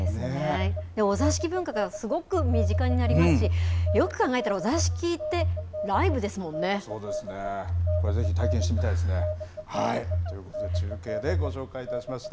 お座敷文化がすごく身近になりますし、よく考えたら、お座敷って、そうですね。これぜひ、体験してみたいですね。ということで中継でご紹介いたしました。